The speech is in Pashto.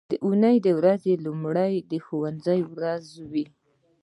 د اونۍ ورځ لومړنۍ د ښوونځي ورځ وي